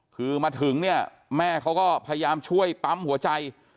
คือมาถึงเนี่ยแม่เขาก็พยายามช่วยปั๊มหัวใจ